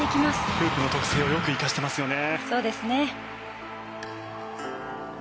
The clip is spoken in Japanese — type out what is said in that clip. フープの特性をよく生かしてますよね。